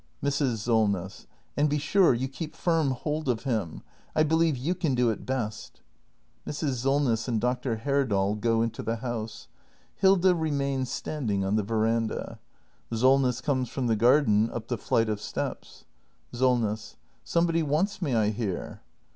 Solness. And be sure you keep firm hold of him. I believe you can do it best. [Mrs. Solness and Dr. Herdal go into the house. Hilda remains standing on the veranda. Sol ness comes from the garden, up the flight of steps. Solness. Somebody wants me, I hear.